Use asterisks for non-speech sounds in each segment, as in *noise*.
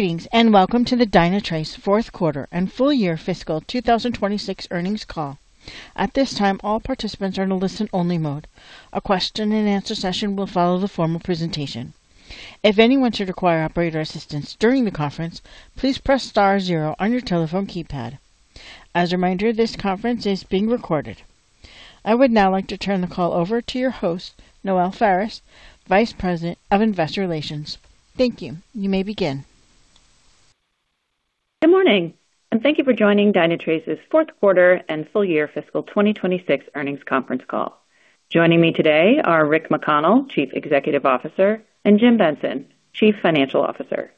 Greetings, welcome to the Dynatrace fourth quarter and full year fiscal 2026 earnings call. At this time, all participants are in a listen-only mode. A question and answer session will follow the formal presentation. If anyone should require operator assistance during the conference, please press star zero on your telephone keypad. As a reminder, this conference is being recorded. I would now like to turn the call over to your host, Noelle Faris, Vice President of Investor Relations. Thank you. You may begin. Good morning. Thank you for joining Dynatrace's fourth quarter and full year fiscal 2026 earnings conference call. Joining me today are Rick McConnell, Chief Executive Officer, and Jim Benson, Chief Financial Officer.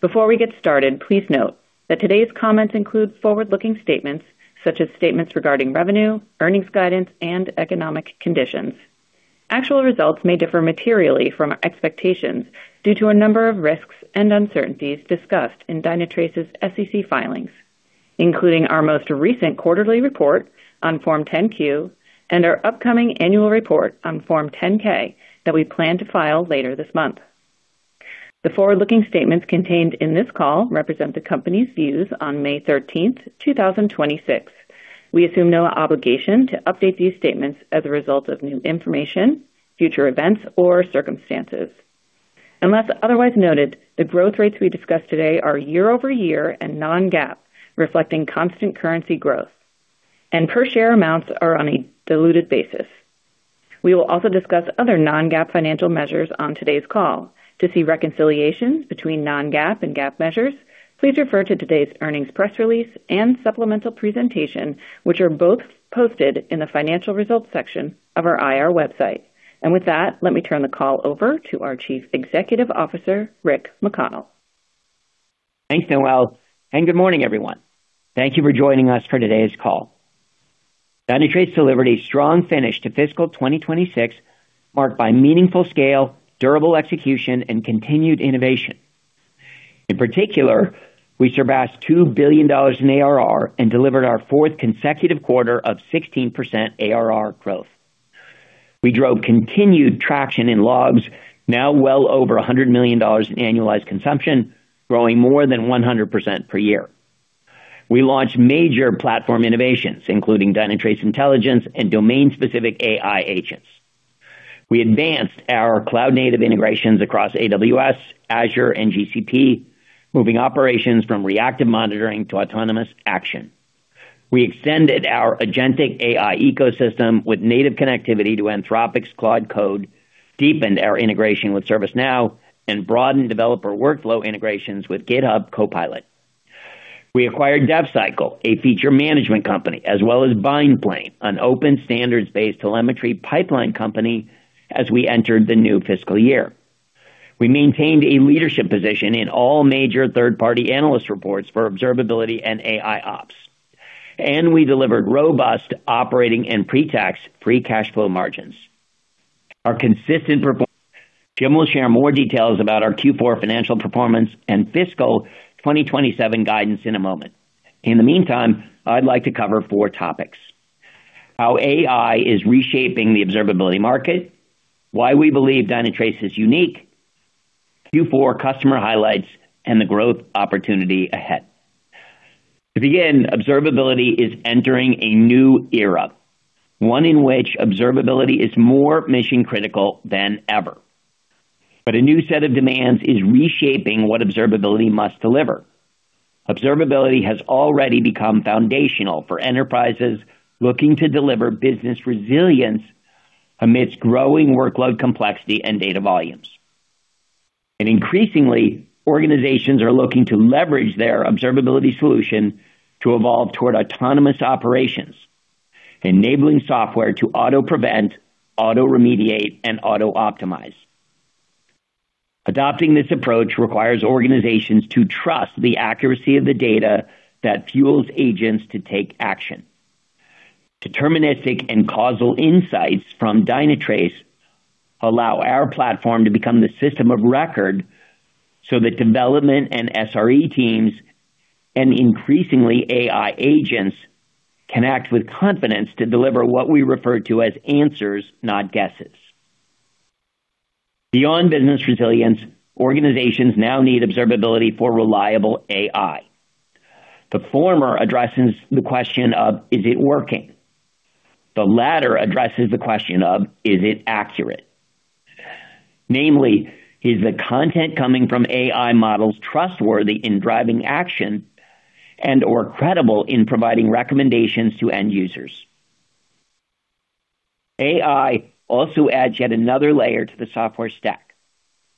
Before we get started, please note that today's comments include forward-looking statements such as statements regarding revenue, earnings guidance, and economic conditions. Actual results may differ materially from expectations due to a number of risks and uncertainties discussed in Dynatrace's SEC filings, including our most recent quarterly report on Form 10-Q and our upcoming annual report on Form 10-K that we plan to file later this month. The forward-looking statements contained in this call represent the company's views on May 13, 2026. We assume no obligation to update these statements as a result of new information, future events, or circumstances. Unless otherwise noted, the growth rates we discuss today are year-over-year and non-GAAP, reflecting constant currency growth, and per share amounts are on a diluted basis. We will also discuss other non-GAAP financial measures on today's call. To see reconciliations between non-GAAP and GAAP measures, please refer to today's earnings press release and supplemental presentation, which are both posted in the financial results section of our IR website. With that, let me turn the call over to our Chief Executive Officer, Rick McConnell. Thanks, Noelle, and good morning, everyone. Thank you for joining us for today's call. Dynatrace delivered a strong finish to fiscal 2026, marked by meaningful scale, durable execution, and continued innovation. In particular, we surpassed $2 billion in ARR and delivered our fourth consecutive quarter of 16% ARR growth. We drove continued traction in logs, now well over $100 million in annualized consumption, growing more than 100% per year. We launched major platform innovations, including Dynatrace Intelligence and domain-specific AI agents. We advanced our cloud-native integrations across AWS, Azure, and GCP, moving operations from reactive monitoring to autonomous action. We extended our agentic AI ecosystem with native connectivity to Anthropic's Claude Code, deepened our integration with ServiceNow, and broadened developer workflow integrations with GitHub Copilot. We acquired DevCycle, a feature management company, as well as Bindplane, an open standards-based telemetry pipeline company, as we entered the new fiscal year. We maintained a leadership position in all major third-party analyst reports for observability and AIOps, and we delivered robust operating and pre-tax free cash flow margins. Our consistent performance, Jim will share more details about our Q4 financial performance and fiscal 2027 guidance in a moment. In the meantime, I'd like to cover four topics: how AI is reshaping the observability market, why we believe Dynatrace is unique, Q4 customer highlights, and the growth opportunity ahead. To begin, observability is entering a new era, one in which observability is more mission-critical than ever. A new set of demands is reshaping what observability must deliver. Observability has already become foundational for enterprises looking to deliver business resilience amidst growing workload complexity and data volumes. Increasingly, organizations are looking to leverage their observability solution to evolve toward autonomous operations, enabling software to auto-prevent, auto-remediate, and auto-optimize. Adopting this approach requires organizations to trust the accuracy of the data that fuels agents to take action. Deterministic and causal insights from Dynatrace allow our platform to become the system of record so that development and SRE teams, and increasingly AI agents, can act with confidence to deliver what we refer to as answers, not guesses. Beyond business resilience, organizations now need observability for reliable AI. The former addresses the question of, is it working? The latter addresses the question of, is it accurate? Namely, is the content coming from AI models trustworthy in driving action and/or credible in providing recommendations to end users? AI also adds yet another layer to the software stack,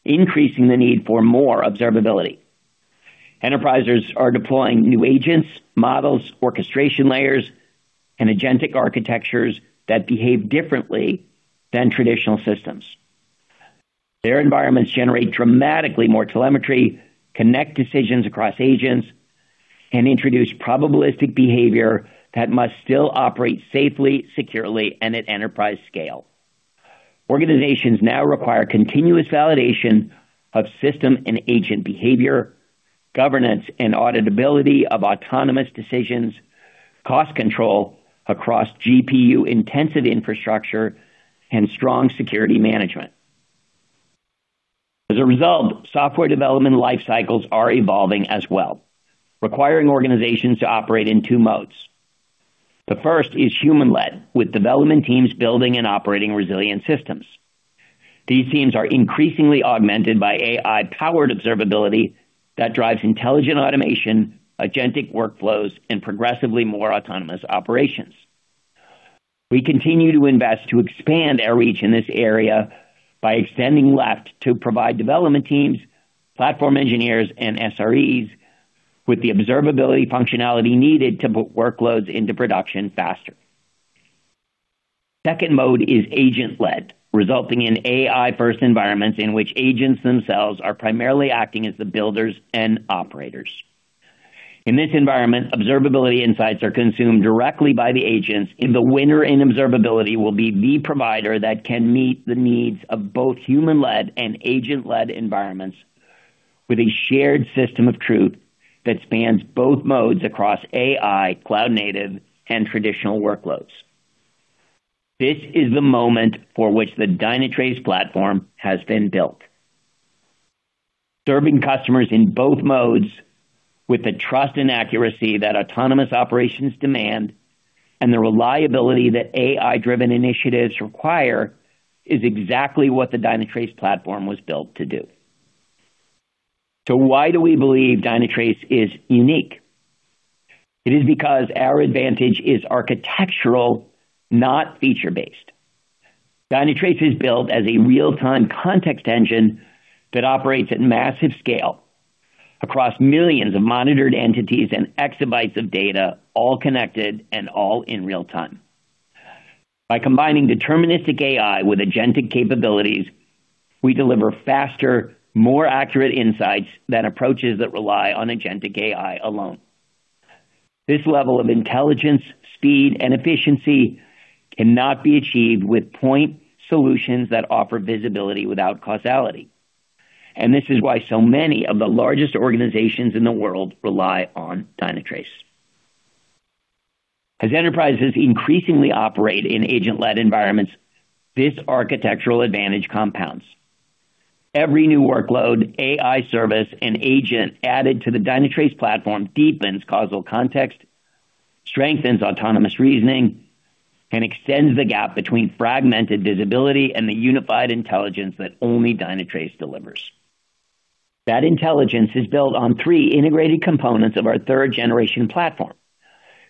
increasing the need for more observability. Enterprises are deploying new agents, models, orchestration layers, and agentic architectures that behave differently than traditional systems. Their environments generate dramatically more telemetry, connect decisions across agents, and introduce probabilistic behavior that must still operate safely, securely, and at enterprise scale. Organizations now require continuous validation of system and agent behavior, governance and auditability of autonomous decisions, cost control across GPU-intensive infrastructure and strong security management. As a result, software development life cycles are evolving as well, requiring organizations to operate in two modes. The first is human-led, with development teams building and operating resilient systems. These teams are increasingly augmented by AI-powered observability that drives intelligent automation, agentic workflows, and progressively more autonomous operations. We continue to invest to expand our reach in this area by extending left to provide development teams, platform engineers, and SREs with the observability functionality needed to put workloads into production faster. Second mode is agent-led, resulting in AI-first environments in which agents themselves are primarily acting as the builders and operators. In this environment, observability insights are consumed directly by the agents, and the winner in observability will be the provider that can meet the needs of both human-led and agent-led environments with a shared system of truth that spans both modes across AI, cloud-native, and traditional workloads. This is the moment for which the Dynatrace platform has been built. Serving customers in both modes with the trust and accuracy that autonomous operations demand and the reliability that AI-driven initiatives require is exactly what the Dynatrace platform was built to do. Why do we believe Dynatrace is unique? It is because our advantage is architectural, not feature-based. Dynatrace is built as a real-time context engine that operates at massive scale across millions of monitored entities and exabytes of data, all connected and all in real time. By combining deterministic AI with agentic capabilities, we deliver faster, more accurate insights than approaches that rely on agentic AI alone. This level of intelligence, speed, and efficiency cannot be achieved with point solutions that offer visibility without causality. This is why so many of the largest organizations in the world rely on Dynatrace. As enterprises increasingly operate in agent-led environments, this architectural advantage compounds. Every new workload, AI service, and agent added to the Dynatrace platform deepens causal context, strengthens autonomous reasoning, and extends the gap between fragmented visibility and the unified intelligence that only Dynatrace delivers. That intelligence is built on three integrated components of our 3rd generation platform.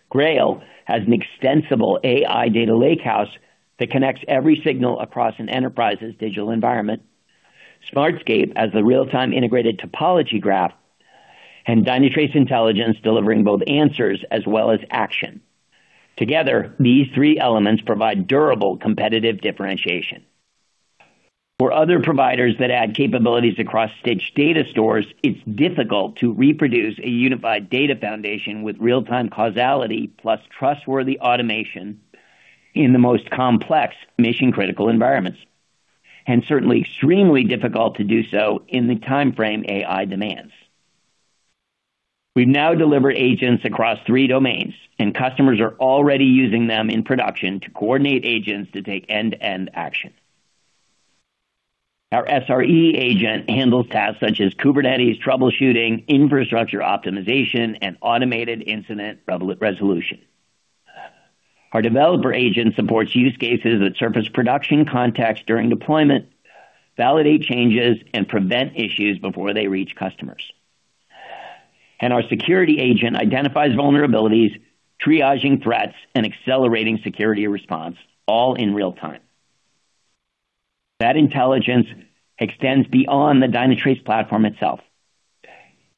Grail as an extensible AI data lakehouse that connects every signal across an enterprise's digital environment. Smartscape as the real-time integrated topology graph, and Dynatrace Intelligence delivering both answers as well as action. Together, these three elements provide durable competitive differentiation. For other providers that add capabilities across stitched data stores, it's difficult to reproduce a unified data foundation with real-time causality plus trustworthy automation in the most complex mission-critical environments, and certainly extremely difficult to do so in the timeframe AI demands. We've now delivered agents across three domains, and customers are already using them in production to coordinate agents to take end-to-end action. Our SRE agent handles tasks such as Kubernetes troubleshooting, infrastructure optimization, and automated incident resolution. Our developer agent supports use cases that surface production contacts during deployment, validate changes, and prevent issues before they reach customers. Our security agent identifies vulnerabilities, triaging threats, and accelerating security response, all in real time. That intelligence extends beyond the Dynatrace platform itself.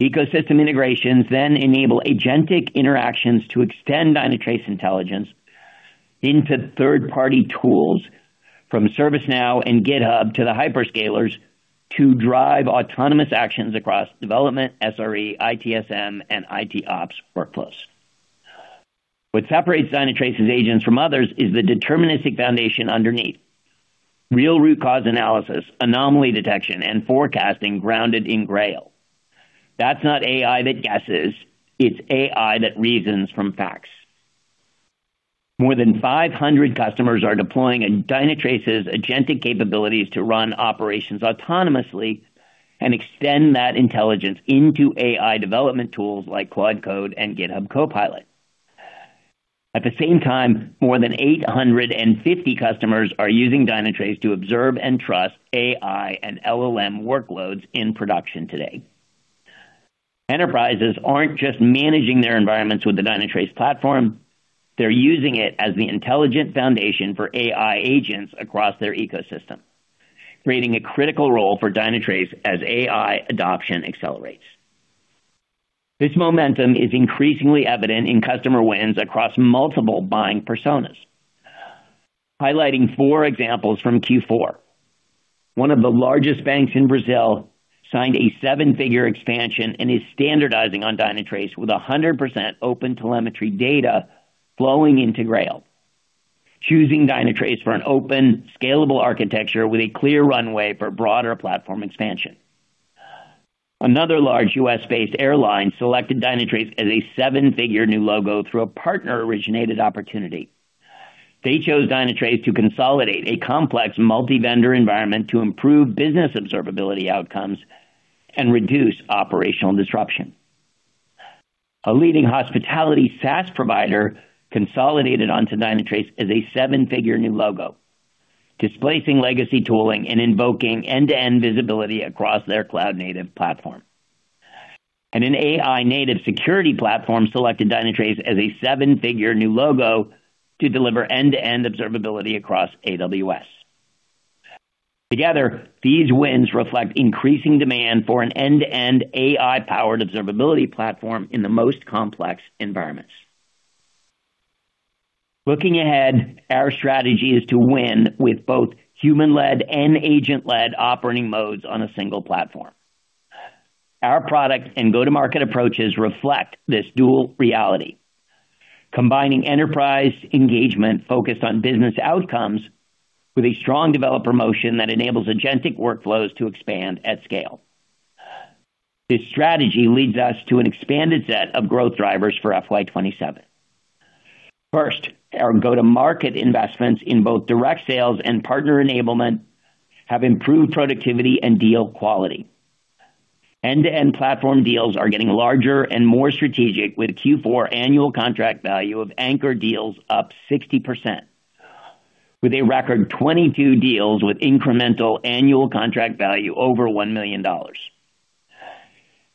Ecosystem integrations enable agentic interactions to extend Dynatrace Intelligence into third-party tools from ServiceNow and GitHub to the hyperscalers to drive autonomous actions across development, SRE, ITSM, and ITOps workflows. What separates Dynatrace's agents from others is the deterministic foundation underneath. Real root cause analysis, anomaly detection, and forecasting grounded in Grail. That's not AI that guesses. It's AI that reasons from facts. More than 500 customers are deploying Dynatrace's agentic capabilities to run operations autonomously and extend that intelligence into AI development tools like Claude Code and GitHub Copilot. At the same time, more than 850 customers are using Dynatrace to observe and trust AI and LLM workloads in production today. Enterprises aren't just managing their environments with the Dynatrace platform. They're using it as the intelligent foundation for AI agents across their ecosystem, creating a critical role for Dynatrace as AI adoption accelerates. This momentum is increasingly evident in customer wins across multiple buying personas. Highlighting four examples from Q4. One of the largest banks in Brazil signed a seven-figure expansion and is standardizing on Dynatrace with a 100% OpenTelemetry data flowing into Grail. Choosing Dynatrace for an open, scalable architecture with a clear runway for broader platform expansion. Another large U.S.-based airline selected Dynatrace as a seven-figure new logo through a partner-originated opportunity. They chose Dynatrace to consolidate a complex multi-vendor environment to improve business observability outcomes and reduce operational disruption. A leading hospitality SaaS provider consolidated onto Dynatrace as a seven-figure new logo, displacing legacy tooling and invoking end-to-end visibility across their cloud-native platform. An AI-native security platform selected Dynatrace as a seven-figure new logo to deliver end-to-end observability across AWS. Together, these wins reflect increasing demand for an end-to-end AI-powered observability platform in the most complex environments. Looking ahead, our strategy is to win with both human-led and agent-led operating modes on a single platform. Our product and go-to-market approaches reflect this dual reality, combining enterprise engagement focused on business outcomes with a strong developer motion that enables agentic workflows to expand at scale. This strategy leads us to an expanded set of growth drivers for FY 2027. First, our go-to-market investments in both direct sales and partner enablement have improved productivity and deal quality. End-to-end platform deals are getting larger and more strategic with Q4 annual contract value of anchor deals up 60%, with a record 22 deals with incremental annual contract value over $1 million.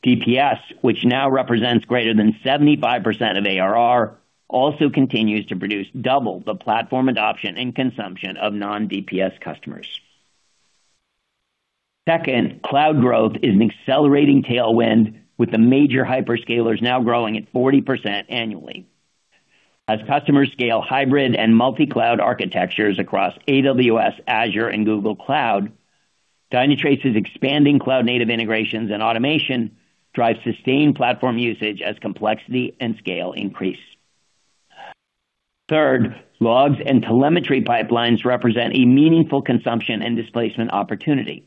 DPS, which now represents greater than 75% of ARR, also continues to produce double the platform adoption and consumption of non-DPS customers. Cloud growth is an accelerating tailwind, with the major hyperscalers now growing at 40% annually. As customers scale hybrid and multi-cloud architectures across AWS, Azure, and Google Cloud, Dynatrace's expanding cloud-native integrations and automation drive sustained platform usage as complexity and scale increase. Logs and telemetry pipelines represent a meaningful consumption and displacement opportunity.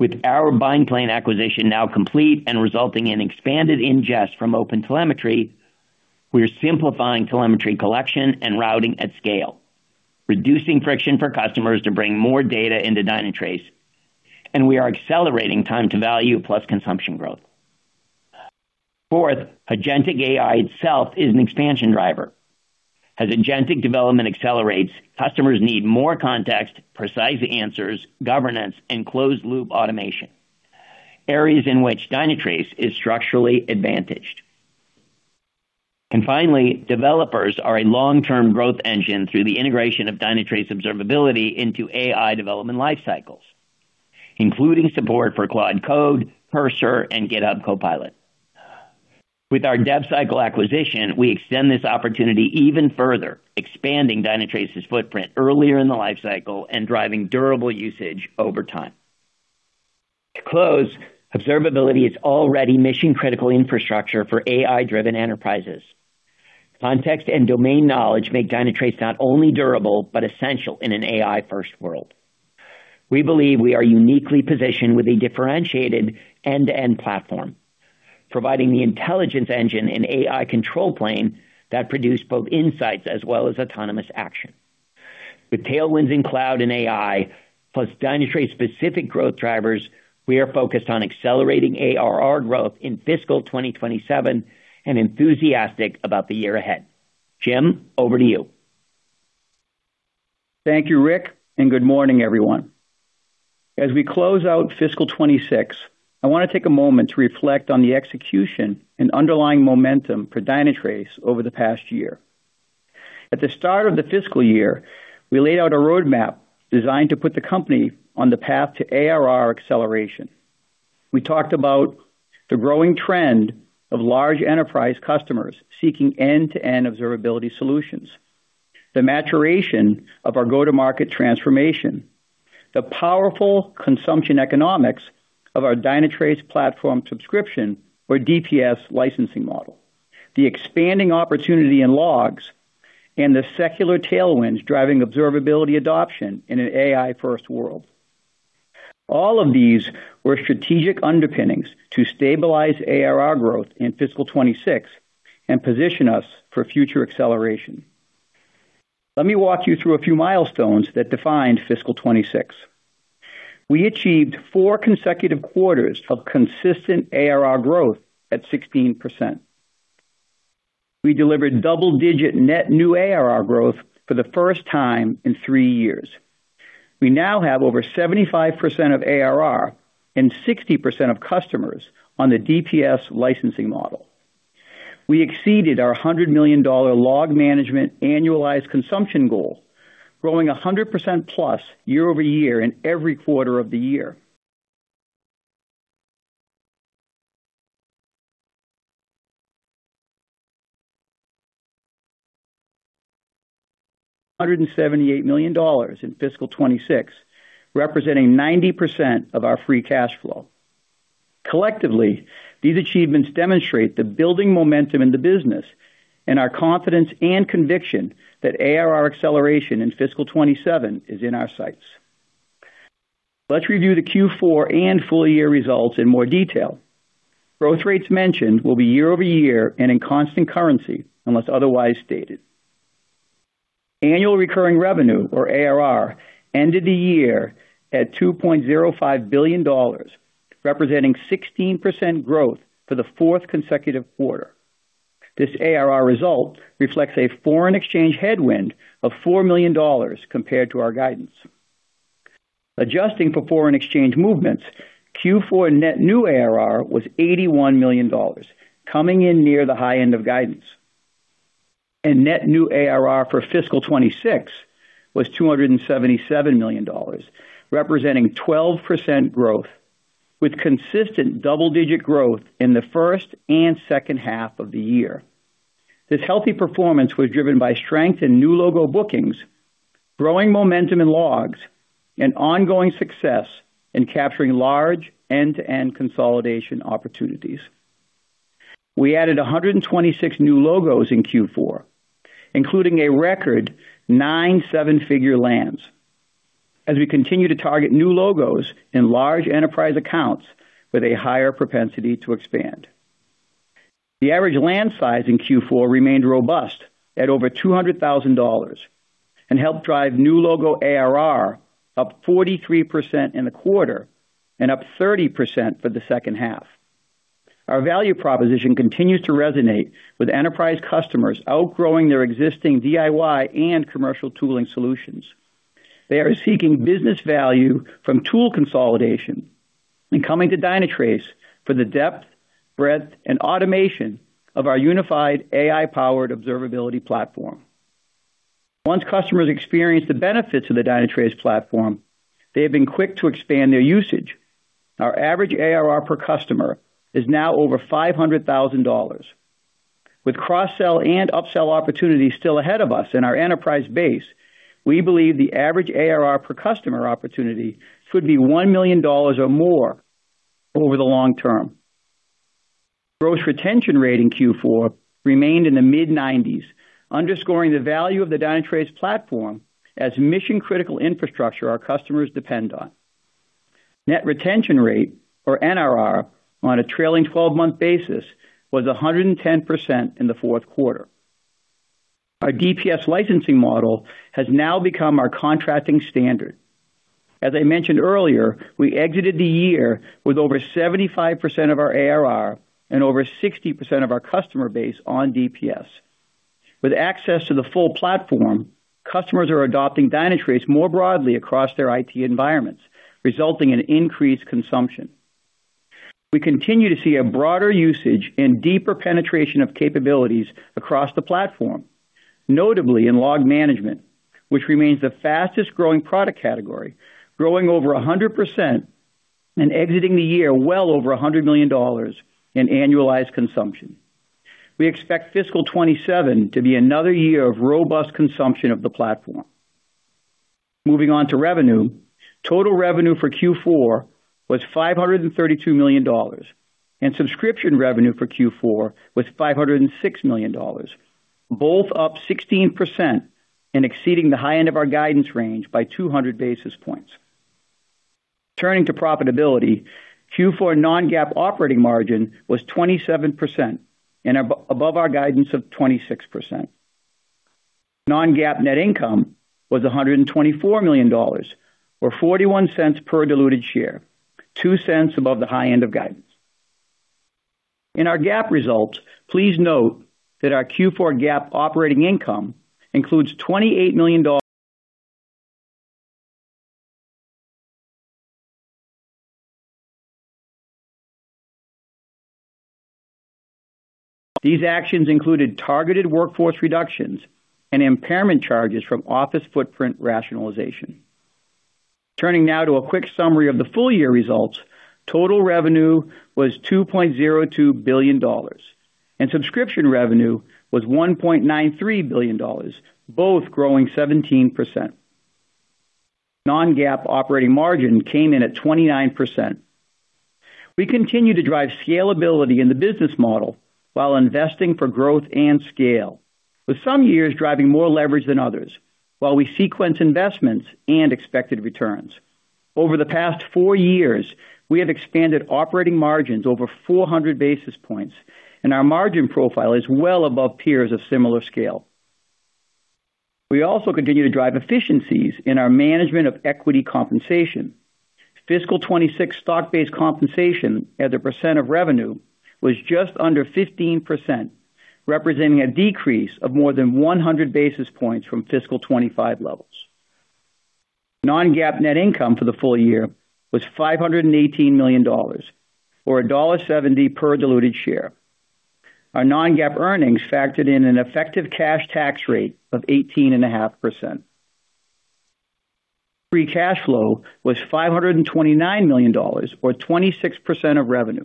With our Bindplane acquisition now complete and resulting in expanded ingest from OpenTelemetry, we are simplifying telemetry collection and routing at scale, reducing friction for customers to bring more data into Dynatrace, and we are accelerating time to value plus consumption growth. Agentic AI itself is an expansion driver. As agentic development accelerates, customers need more context, precise answers, governance, and closed-loop automation, areas in which Dynatrace is structurally advantaged. Finally, developers are a long-term growth engine through the integration of Dynatrace observability into AI development life cycles, including support for Claude Code, Cursor, and GitHub Copilot. With our DevCycle acquisition, we extend this opportunity even further, expanding Dynatrace's footprint earlier in the life cycle and driving durable usage over time. Observability is already mission-critical infrastructure for AI-driven enterprises. Context and domain knowledge make Dynatrace not only durable but essential in an AI-first world. We believe we are uniquely positioned with a differentiated end-to-end platform, providing the intelligence engine and AI control plane that produce both insights as well as autonomous action. With tailwinds in cloud and AI plus Dynatrace-specific growth drivers, we are focused on accelerating ARR growth in fiscal 2027 and enthusiastic about the year ahead. Jim, over to you. Thank you, Rick. Good morning, everyone. As we close out fiscal 2026, I want to take a moment to reflect on the execution and underlying momentum for Dynatrace over the past year. At the start of the fiscal year, we laid out a roadmap designed to put the company on the path to ARR acceleration. We talked about the growing trend of large enterprise customers seeking end-to-end observability solutions, the maturation of our go-to-market transformation, the powerful consumption economics of our Dynatrace Platform Subscription or DPS licensing model, the expanding opportunity in logs, and the secular tailwinds driving observability adoption in an AI-first world. All of these were strategic underpinnings to stabilize ARR growth in fiscal 2026 and position us for future acceleration. Let me walk you through a few milestones that defined fiscal 2026. We achieved four consecutive quarters of consistent ARR growth at 16%. We delivered double-digit net new ARR growth for the first time in three years. We now have over 75% of ARR and 60% of customers on the DPS licensing model. We exceeded our $100 million log management annualized consumption goal, growing 100%+ year-over-year in every quarter of the year. $178 million in fiscal 2026, representing 90% of our free cash flow. Collectively, these achievements demonstrate the building momentum in the business. Our confidence and conviction that ARR acceleration in fiscal 2027 is in our sights. Let's review the Q4 and full-year results in more detail. Growth rates mentioned will be year-over-year and in constant currency unless otherwise stated. Annual recurring revenue, or ARR, ended the year at $2.05 billion, representing 16% growth for the 4th consecutive quarter. This ARR result reflects a foreign exchange headwind of $4 million compared to our guidance. Adjusting for foreign exchange movements, Q4 net new ARR was $81 million, coming in near the high end of guidance. Net new ARR for fiscal 2026 was $277 million, representing 12% growth, with consistent double-digit growth in the first and second half of the year. This healthy performance was driven by strength in new logo bookings, growing momentum in logs, and ongoing success in capturing large end-to-end consolidation opportunities. We added 126 new logos in Q4, including a record nine seven-figure lands, as we continue to target new logos in large enterprise accounts with a higher propensity to expand. The average land size in Q4 remained robust at over $200,000 and helped drive new logo ARR up 43% in the quarter and up 30% for the second half. Our value proposition continues to resonate with enterprise customers outgrowing their existing DIY and commercial tooling solutions. They are seeking business value from tool consolidation and coming to Dynatrace for the depth, breadth, and automation of our unified AI-powered observability platform. Once customers experience the benefits of the Dynatrace platform, they have been quick to expand their usage. Our average ARR per customer is now over $500,000. With cross-sell and upsell opportunities still ahead of us in our enterprise base, we believe the average ARR per customer opportunity could be $1 million or more over the long term. Gross retention rate in Q4 remained in the mid-90s, underscoring the value of the Dynatrace platform as mission-critical infrastructure our customers depend on. Net retention rate, or NRR, on a trailing 12-month basis was 110% in the fourth quarter. Our DPS licensing model has now become our contracting standard. As I mentioned earlier, we exited the year with over 75% of our ARR and over 60% of our customer base on DPS. With access to the full platform, customers are adopting Dynatrace more broadly across their IT environments, resulting in increased consumption. We continue to see a broader usage and deeper penetration of capabilities across the platform, notably in log management, which remains the fastest-growing product category, growing over 100% and exiting the year well over $100 million in annualized consumption. We expect fiscal 2027 to be another year of robust consumption of the platform. Moving on to revenue. Total revenue for Q4 was $532 million, and subscription revenue for Q4 was $506 million, both up 16% and exceeding the high end of our guidance range by 200 basis points. Turning to profitability, Q4 non-GAAP operating margin was 27% and above our guidance of 26%. non-GAAP net income was $124 million or $0.41 per diluted share, $0.02 above the high end of guidance. In our GAAP results, please note that our Q4 GAAP operating income includes $28 million. These actions included targeted workforce reductions and impairment charges from office footprint rationalization. Turning now to a quick summary of the full-year results. Total revenue was $2.02 billion, and subscription revenue was $1.93 billion, both growing 17%. Non-GAAP operating margin came in at 29%. We continue to drive scalability in the business model while investing for growth and scale, with some years driving more leverage than others while we sequence investments and expected returns. Over the past four years, we have expanded operating margins over 400 basis points, and our margin profile is well above peers of similar scale. We also continue to drive efficiencies in our management of equity compensation. Fiscal 2026 stock-based compensation as a percent of revenue was just under 15%, representing a decrease of more than 100 basis points from Fiscal 2025 levels. non-GAAP net income for the full year was $518 million or $1.70 per diluted share. Our non-GAAP earnings factored in an effective cash tax rate of 18.5%. Free cash flow was $529 million or 26% of revenue,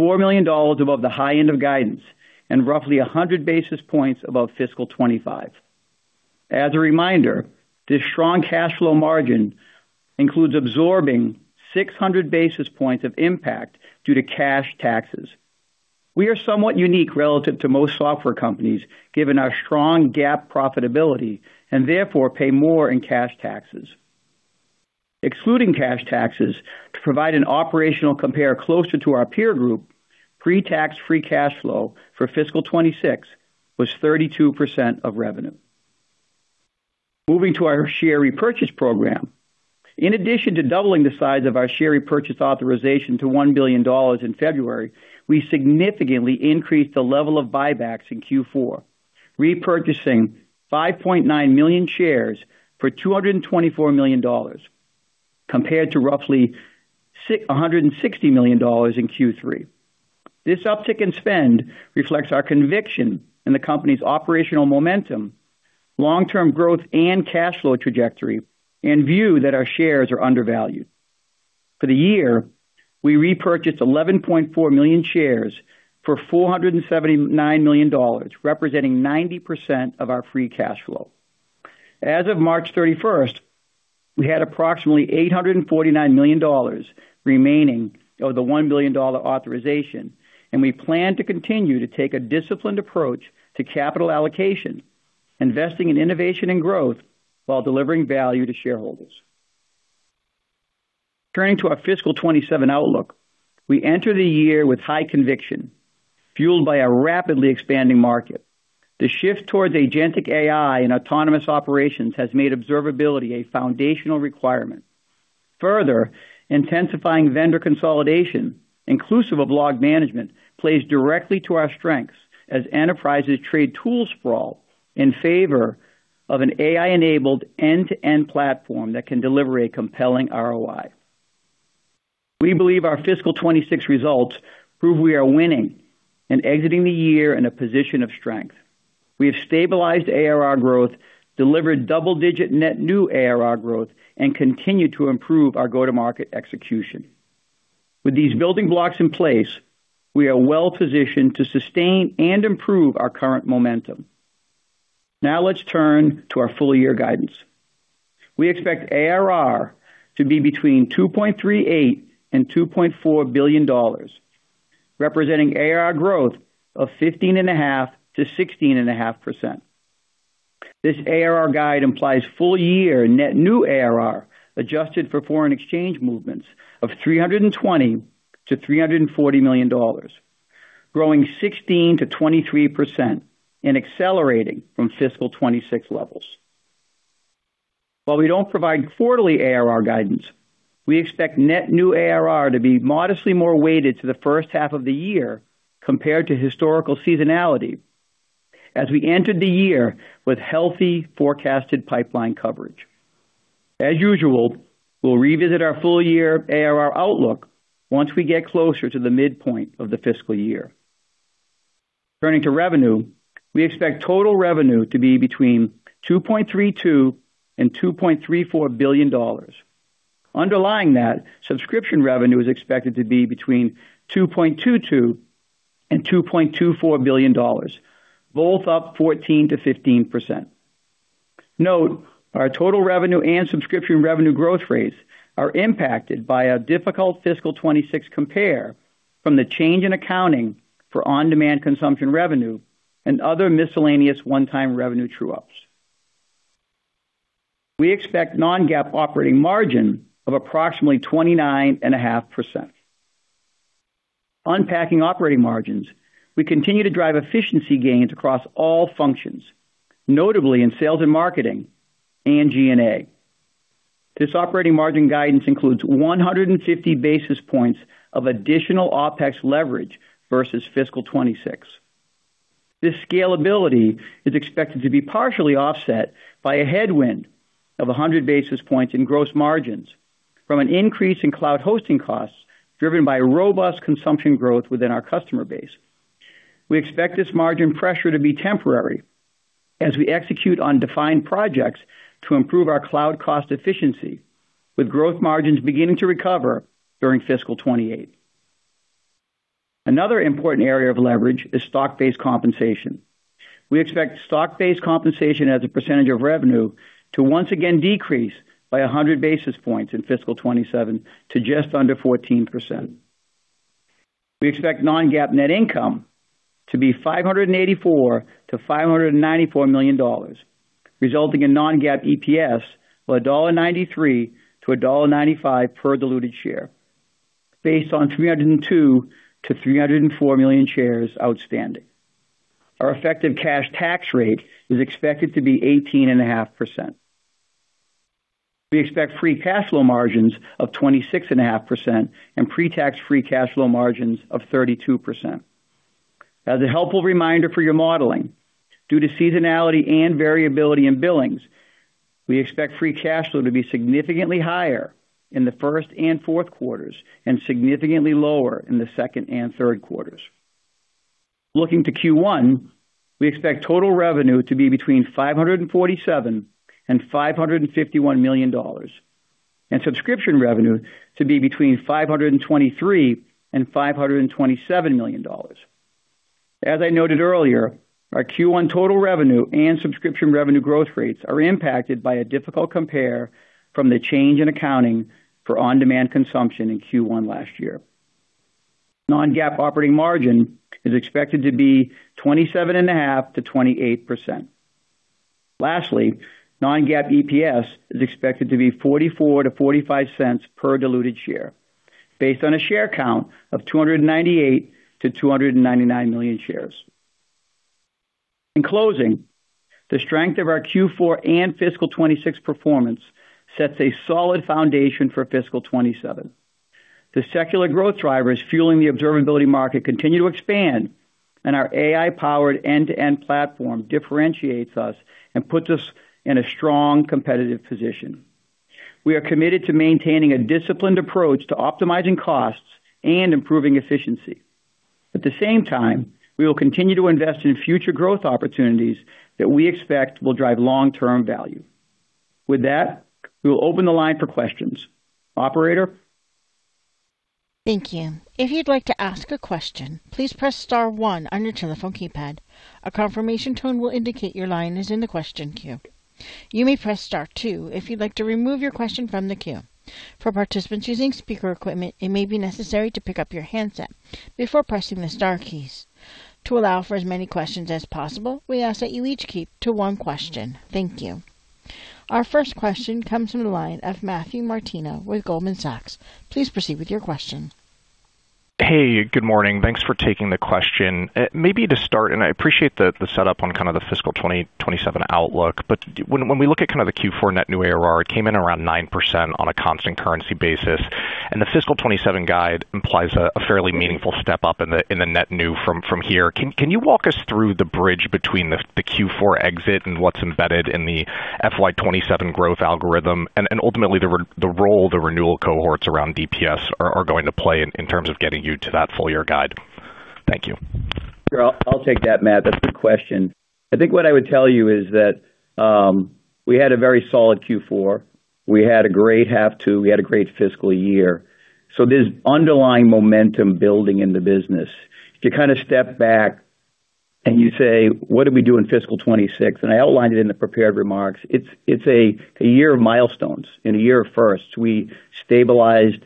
$4 million above the high end of guidance and roughly 100 basis points above FY 2025. As a reminder, this strong cash flow margin includes absorbing 600 basis points of impact due to cash taxes. We are somewhat unique relative to most software companies, given our strong GAAP profitability, and therefore pay more in cash taxes. Excluding cash taxes to provide an operational compare closer to our peer group, pre-tax free cash flow for FY 2026 was 32% of revenue. Moving to our share repurchase program. In addition to doubling the size of our share repurchase authorization to $1 billion in February, we significantly increased the level of buybacks in Q4, repurchasing 5.9 million shares for $224 million, compared to roughly $160 million in Q3. This uptick in spend reflects our conviction in the company's operational momentum, long-term growth, and cash flow trajectory, and view that our shares are undervalued. For the year, we repurchased 11.4 million shares for $479 million, representing 90% of our free cash flow. As of March 31st, we had approximately $849 million remaining of the $1 billion authorization, and we plan to continue to take a disciplined approach to capital allocation, investing in innovation and growth while delivering value to shareholders. Turning to our fiscal 2027 outlook. We enter the year with high conviction, fueled by a rapidly expanding market. The shift towards agentic AI and autonomous operations has made observability a foundational requirement. Further, intensifying vendor consolidation, inclusive of log management, plays directly to our strengths as enterprises trade tool sprawl in favor of an AI-enabled end-to-end platform that can deliver a compelling ROI. We believe our fiscal 2026 results prove we are winning and exiting the year in a position of strength. We have stabilized ARR growth, delivered double-digit net new ARR growth, and continue to improve our go-to-market execution. With these building blocks in place, we are well-positioned to sustain and improve our current momentum. Let's turn to our full-year guidance. We expect ARR to be between $2.38 billion and $2.4 billion, representing ARR growth of 15.5%-16.5%. This ARR guide implies full-year net new ARR, adjusted for foreign exchange movements, of $320 million-$340 million, growing 16%-23% and accelerating from fiscal 2026 levels. While we don't provide quarterly ARR guidance, we expect net new ARR to be modestly more weighted to the first half of the year compared to historical seasonality as we entered the year with healthy forecasted pipeline coverage. As usual, we'll revisit our full-year ARR outlook once we get closer to the midpoint of the fiscal year. Turning to revenue. We expect total revenue to be between $2.32 billion and $2.34 billion. Underlying that, subscription revenue is expected to be between $2.22 billion and $2.24 billion, both up 14%-15%. Note, our total revenue and subscription revenue growth rates are impacted by a difficult fiscal 2026 compare from the change in accounting for on-demand consumption revenue and other miscellaneous one-time revenue true-ups. We expect non-GAAP operating margin of approximately 29.5%. Unpacking operating margins, we continue to drive efficiency gains across all functions, notably in sales and marketing and G&A. This operating margin guidance includes 150 basis points of additional OpEx leverage versus fiscal 2026. This scalability is expected to be partially offset by a headwind of 100 basis points in gross margins from an increase in cloud hosting costs driven by robust consumption growth within our customer base. We expect this margin pressure to be temporary as we execute on defined projects to improve our cloud cost efficiency, with gross margins beginning to recover during fiscal 2028. Another important area of leverage is stock-based compensation. We expect stock-based compensation as a percentage of revenue to once again decrease by 100 basis points in fiscal 2027 to just under 14%. We expect non-GAAP net income to be $584 million-$594 million, resulting in non-GAAP EPS of $1.93-$1.95 per diluted share based on 302 million-304 million shares outstanding. Our effective cash tax rate is expected to be 18.5%. We expect free cash flow margins of 26.5% and pre-tax free cash flow margins of 32%. As a helpful reminder for your modeling, due to seasonality and variability in billings, we expect free cash flow to be significantly higher in the first and fourth quarters and significantly lower in the second and third quarters. Looking to Q1, we expect total revenue to be between $547 million and $551 million. Subscription revenue to be between $523 million and $527 million. As I noted earlier, our Q1 total revenue and subscription revenue growth rates are impacted by a difficult compare from the change in accounting for on-demand consumption in Q1 last year. Non-GAAP operating margin is expected to be 27.5%-28%. Lastly, non-GAAP EPS is expected to be $0.44-$0.45 per diluted share, based on a share count of 298 million-299 million shares. In closing, the strength of our Q4 and fiscal 2026 performance sets a solid foundation for fiscal 2027. The secular growth drivers fueling the observability market continue to expand, our AI-powered end-to-end platform differentiates us and puts us in a strong competitive position. We are committed to maintaining a disciplined approach to optimizing costs and improving efficiency. At the same time, we will continue to invest in future growth opportunities that we expect will drive long-term value. With that, we will open the line for questions. Operator? Thank you. If you'd like to ask a question, please press star one on your telephone keypad. A confirmation tone will indicate your line is in the question queue. You may press star two if you'd like to remove your question from the queue. For participants using speaker equipment, it may be necessary to pick up your handset before pressing the star keys. To allow for as many questions as possible, we ask that you each keep to one question. Thank you. Our first question comes from the line of Matthew Martino with Goldman Sachs. Please proceed with your question. Hey, good morning. Thanks for taking the question. Maybe to start, I appreciate the setup on kind of the fiscal 2027 outlook, but when we look at kind of the Q4 net new ARR, it came in around 9% on a constant currency basis. The fiscal 2027 guide implies a fairly meaningful step up in the net new from here. Can you walk us through the bridge between the Q4 exit and what's embedded in the FY 2027 growth algorithm and ultimately the role the renewal cohorts around DPS are going to play in terms of getting you to that full year guide? Thank you. Sure. I'll take that, Matt. That's a good question. I think what I would tell you is that, we had a very solid Q4. We had a great half two. We had a great fiscal year. There's underlying momentum building in the business. If you kind of step back and you say, "What did we do in fiscal 2026?" I outlined it in the prepared remarks. It's a year of milestones and a year of firsts. We stabilized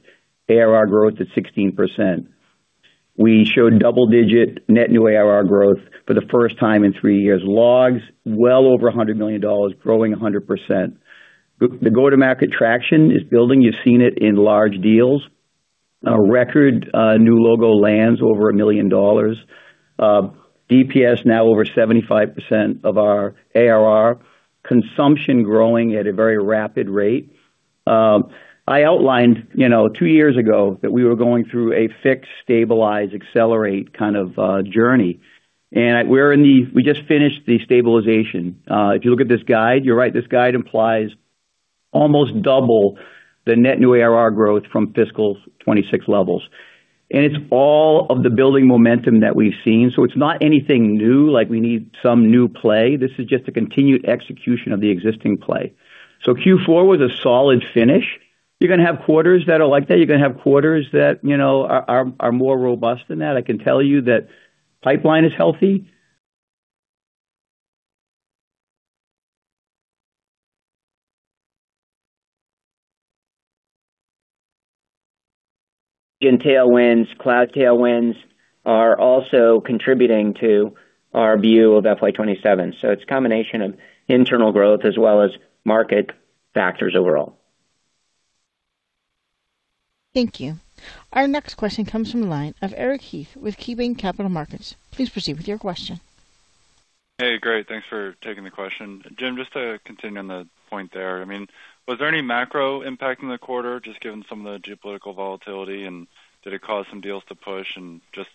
ARR growth at 16%. We showed double-digit net new ARR growth for the first time in three years. Logs, well over $100 million, growing 100%. The go-to-market traction is building. You've seen it in large deals. A record new logo lands over $1 million. DPS now over 75% of our ARR. Consumption growing at a very rapid rate. I outlined, you know, two years ago that we were going through a fix, stabilize, accelerate kind of journey, and we just finished the stabilization. If you look at this guide, you're right, this guide implies almost double the net new ARR growth from FY 2026 levels. It's all of the building momentum that we've seen, so it's not anything new, like we need some new play. This is just a continued execution of the existing play. Q4 was a solid finish. You're gonna have quarters that are like that. You're gonna have quarters that, you know, are more robust than that. I can tell you that pipeline is healthy. In tailwinds, cloud tailwinds are also contributing to our view of FY 2027. It's a combination of internal growth as well as market factors overall. Thank you. Our next question comes from the line of Eric Heath with KeyBanc Capital Markets. Please proceed with your question. Hey, great. Thanks for taking the question. Jim, just to continue on the point there, I mean, was there any macro impact in the quarter, just given some of the geopolitical volatility, and did it cause some deals to push? Just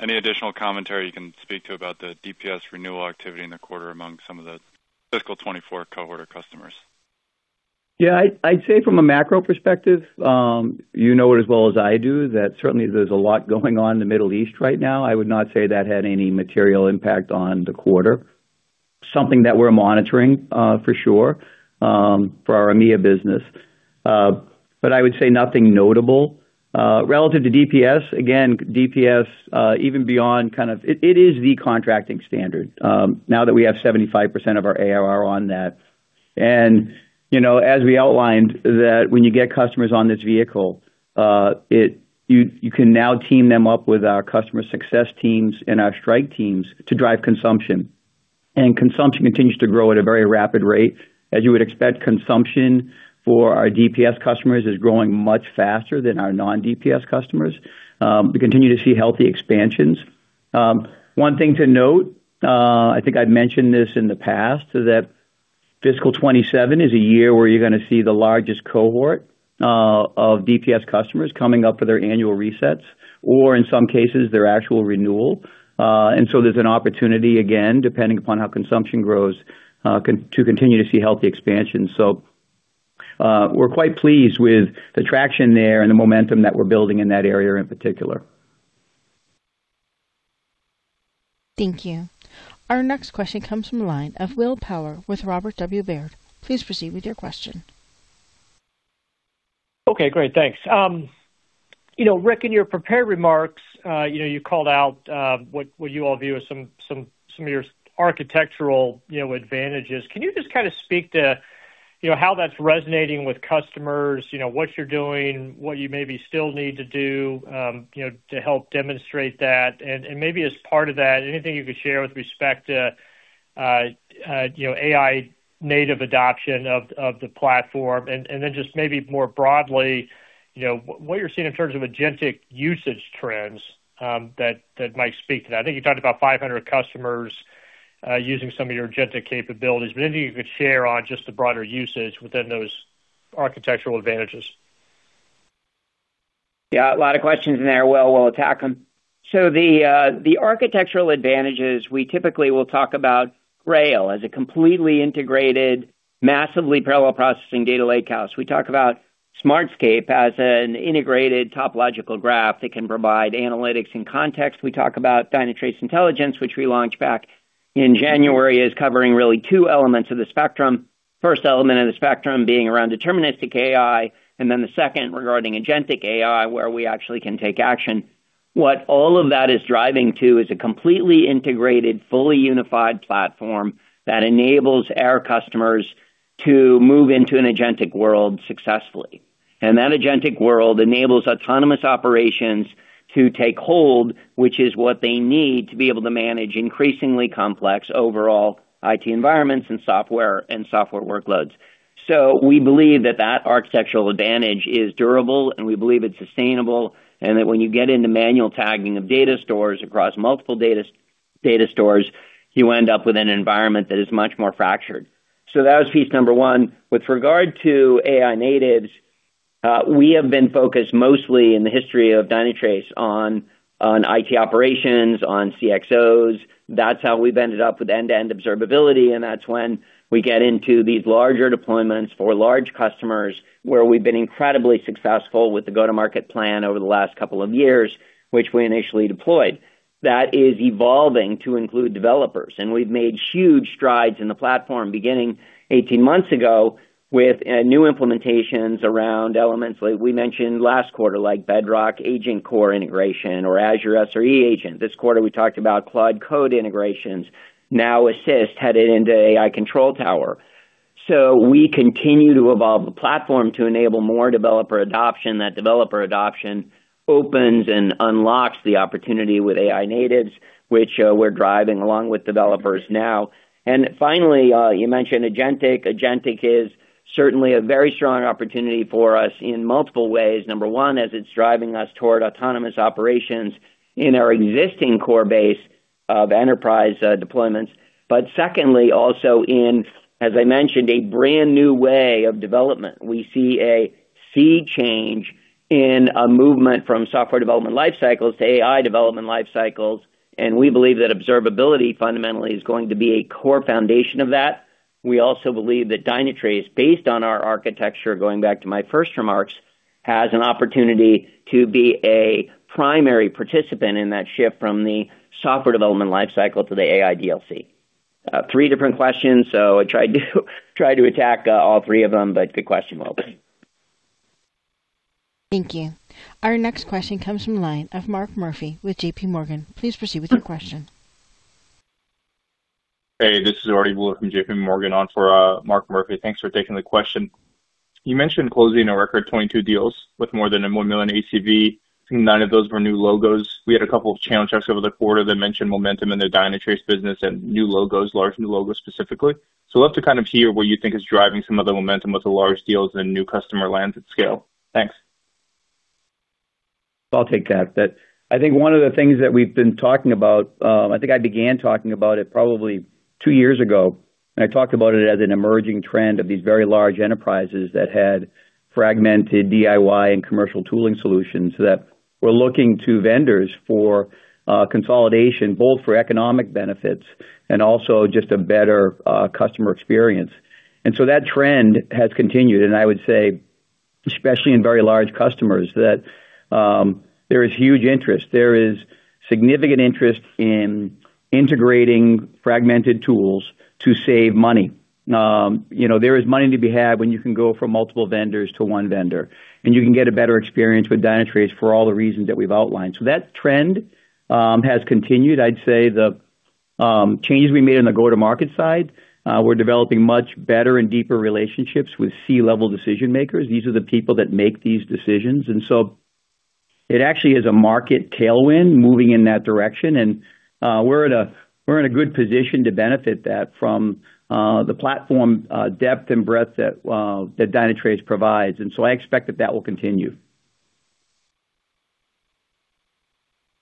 any additional commentary you can speak to about the DPS renewal activity in the quarter among some of the fiscal 2024 cohort of customers. I'd say from a macro perspective, you know it as well as I do that certainly there's a lot going on in the Middle East right now. I would not say that had any material impact on the quarter. Something that we're monitoring for sure for our EMEA business. I would say nothing notable. Relative to DPS, again, DPS, even beyond kind of It, it is the contracting standard, now that we have 75% of our ARR on that. You know, as we outlined that when you get customers on this vehicle, you can now team them up with our customer success teams and our strike teams to drive consumption. Consumption continues to grow at a very rapid rate. As you would expect, consumption for our DPS customers is growing much faster than our non-DPS customers. We continue to see healthy expansions. One thing to note, I think I've mentioned this in the past, that fiscal 2027 is a year where you're gonna see the largest cohort of DPS customers coming up for their annual resets, or in some cases, their actual renewal. There's an opportunity, again, depending upon how consumption grows, to continue to see healthy expansion. We're quite pleased with the traction there and the momentum that we're building in that area in particular. Thank you. Our next question comes from the line of Will Power with Robert W Baird. Please proceed with your question. Okay, great. Thanks. You know, Rick, in your prepared remarks, you know, you called out what you all view as some of your architectural, you know, advantages. Can you just kind of speak to, you know, how that's resonating with customers, you know, what you're doing, what you maybe still need to do, you know, to help demonstrate that? Maybe as part of that, anything you could share with respect to, you know, AI native adoption of the platform. Then just maybe more broadly, you know, what you're seeing in terms of agentic usage trends that might speak to that. I think you talked about 500 customers using some of your agentic capabilities, anything you could share on just the broader usage within those architectural advantages. Yeah, a lot of questions in there, Will. We'll attack them. The architectural advantages, we typically will talk about Grail as a completely integrated, massively parallel processing data lakehouse. We talk about Smartscape as an integrated topological graph that can provide analytics and context. We talk about Dynatrace Intelligence, which we launched back in January, is covering really two elements of the spectrum. First element of the spectrum being around deterministic AI, the second regarding agentic AI, where we actually can take action. What all of that is driving to is a completely integrated, fully unified platform that enables our customers to move into an agentic world successfully. That agentic world enables autonomous operations to take hold, which is what they need to be able to manage increasingly complex overall IT environments and software, and software workloads. We believe that that architectural advantage is durable, and we believe it's sustainable, and that when you get into manual tagging of data stores across multiple data stores, you end up with an environment that is much more fractured. With regard to AI natives, we have been focused mostly in the history of Dynatrace on IT operations, on CXOs. That's how we've ended up with end-to-end observability, and that's when we get into these larger deployments for large customers, where we've been incredibly successful with the go-to-market plan over the last couple of years, which we initially deployed. That is evolving to include developers, and we've made huge strides in the platform beginning 18 months ago with new implementations around elements like we mentioned last quarter, like Bedrock AgentCore integration or Azure SRE Agent. This quarter, we talked about Claude Code integrations, now Assist headed into AI Control Tower. We continue to evolve the platform to enable more developer adoption. That developer adoption opens and unlocks the opportunity with AI natives, which we're driving along with developers now. Finally, you mentioned agentic. Agentic is certainly a very strong opportunity for us in multiple ways. Number one, as it's driving us toward autonomous operations in our existing core base of enterprise deployments. Secondly, also in, as I mentioned, a brand-new way of development. We see a sea change in a movement from software development life cycles to AI development life cycles, and we believe that observability fundamentally is going to be a core foundation of that. We also believe that Dynatrace, based on our architecture, going back to my first remarks, has an opportunity to be a primary participant in that shift from the software development life cycle to the AI DLC. Three different questions, so I tried to attack all three of them, but good question, Will. Thank you. Our next question comes from the line of Mark Murphy with JPMorgan. Please proceed with your question. Hey, this is Ariell Wool from JPMorgan on for Mark Murphy. Thanks for taking the question. You mentioned closing a record 22 deals with more than a $1 million ACV. I think nine of those were new logos. We had a couple of channel checks over the quarter that mentioned momentum in the Dynatrace business and new logos, large new logos specifically. I'd love to kind of hear what you think is driving some of the momentum with the large deals and new customer lands at scale. Thanks. I'll take that. I think one of the things that we've been talking about, I think I began talking about it probably two years ago, and I talked about it as an emerging trend of these very large enterprises that had fragmented DIY and commercial tooling solutions that were looking to vendors for consolidation, both for economic benefits and also just a better customer experience. That trend has continued, and I would say, especially in very large customers, that there is huge interest. There is significant interest in integrating fragmented tools to save money. You know, there is money to be had when you can go from multiple vendors to one vendor, and you can get a better experience with Dynatrace for all the reasons that we've outlined. That trend has continued. I'd say the changes we made on the go-to-market side, we're developing much better and deeper relationships with C-level decision-makers. These are the people that make these decisions. It actually is a market tailwind moving in that direction, and we're in a good position to benefit that from the platform depth and breadth that Dynatrace provides. I expect that that will continue.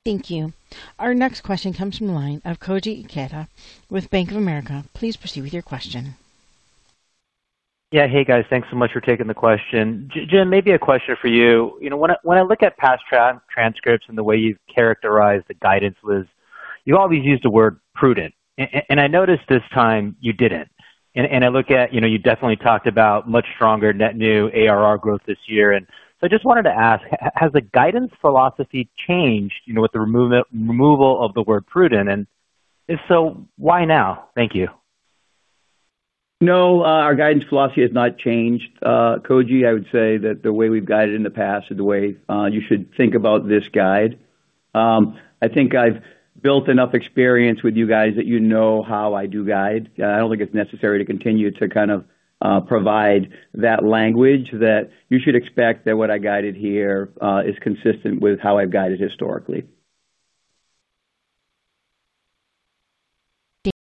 Thank you. Our next question comes from the line of Koji Ikeda with Bank of America. Please proceed with your question. Yeah. Hey, guys. Thanks so much for taking the question. Jim, maybe a question for you. You know, when I, when I look at past transcripts and the way you've characterized the guidance was, you always used the word prudent. I noticed this time you didn't. I look at, you know, you definitely talked about much stronger net new ARR growth this year. I just wanted to ask, has the guidance philosophy changed, you know, with the removal of the word prudent? If so, why now? Thank you. No, our guidance philosophy has not changed, Koji. I would say that the way we've guided in the past is the way you should think about this guide. I think I've built enough experience with you guys that you know how I do guide. I don't think it's necessary to continue to kind of provide that language that you should expect that what I guided here is consistent with how I've guided historically. Thank-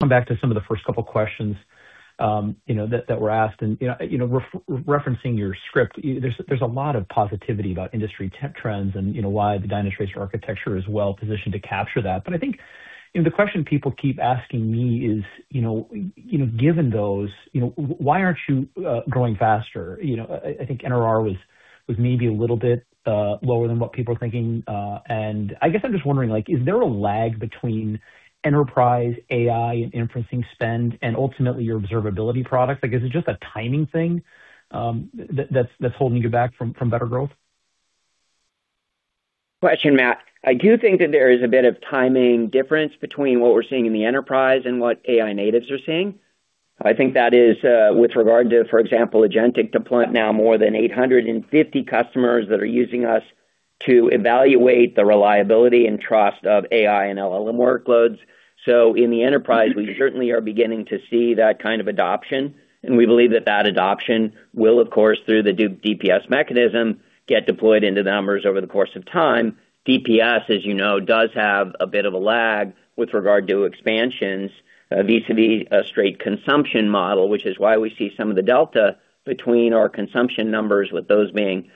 Come back to some of the first couple questions, you know, that were asked. You know, you know, referencing your script, there's a lot of positivity about industry trends and, you know, why the Dynatrace architecture is well-positioned to capture that. I think, you know, the question people keep asking me is, you know, you know, given those, you know, why aren't you growing faster? You know, I think NRR was maybe a little bit lower than what people are thinking. I guess I'm just wondering, like, is there a lag between enterprise AI and inferencing spend and ultimately your observability product? Like, is it just a timing thing, that's holding you back from better growth? Question, Matt. I do think that there is a bit of timing difference between what we're seeing in the enterprise and what AI natives are seeing. I think that is with regard to, for example, agentic deployment now more than 850 customers that are using us to evaluate the reliability and trust of AI and LLM workloads. In the enterprise, we certainly are beginning to see that kind of adoption, and we believe that that adoption will, of course, through the DPS mechanism, get deployed into numbers over the course of time. DPS, as you know, does have a bit of a lag with regard to expansions, vis-à-vis a straight consumption model, which is why we see some of the delta between our consumption numbers, with those being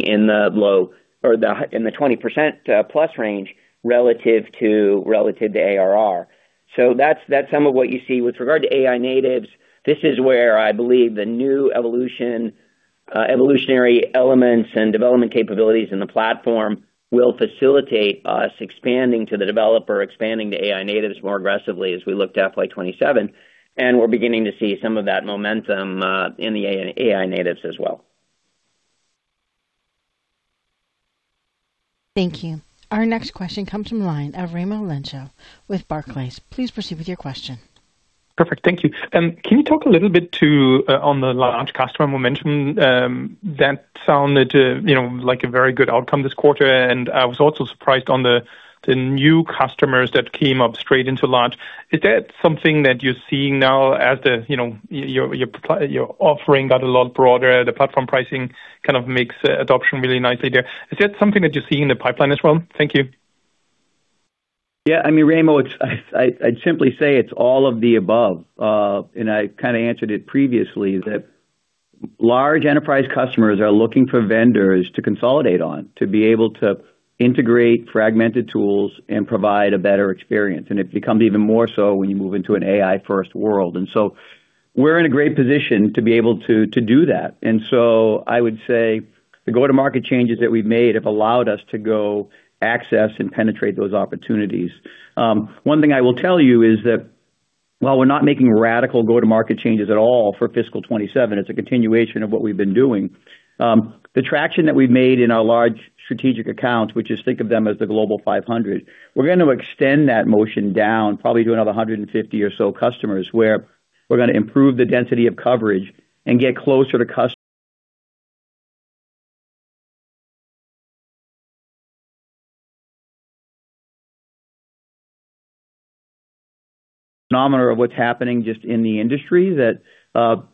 in the low or in the 20%+ range relative to, relative to ARR. That's some of what you see. With regard to AI natives, this is where I believe the new evolution, evolutionary elements and development capabilities in the platform will facilitate us expanding to the developer, expanding to AI natives more aggressively as we look to FY 2027. We're beginning to see some of that momentum in the AI natives as well. Thank you. Our next question comes from the line of Raimo Lenschow with Barclays. Please proceed with your question. Perfect. Thank you. Can you talk a little bit to on the large customer mention, you know, like a very good outcome this quarter, and I was also surprised on the new customers that came up straight into large. Is that something that you're seeing now as the, you know, your offering got a lot broader, the platform pricing kind of makes adoption really nice idea. Is that something that you see in the pipeline as well? Thank you. I mean, Raimo, I'd simply say it's all of the above. I kind of answered it previously that large enterprise customers are looking for vendors to consolidate on, to be able to integrate fragmented tools and provide a better experience. It becomes even more so when you move into an AI-first world. We're in a great position to be able to do that. I would say the go-to-market changes that we've made have allowed us to go access and penetrate those opportunities. One thing I will tell you is that while we're not making radical go-to-market changes at all for fiscal 2027, it's a continuation of what we've been doing. The traction that we've made in our large strategic accounts, which is think of them as the Global 500, we're going to extend that motion down probably to another 150 or so customers, where we're going to improve the density of coverage and get closer to. Phenomenon of what's happening just in the industry that